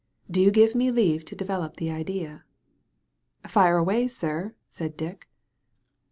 Do you* give me leave to develop the idea?" "Fire away, sir," said Dick.